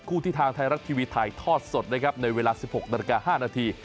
คู่ที่ทางไทยรัฐทีวีถ่ายทอดสดนะครับในเวลา๑๖นาฬิกา๕นาที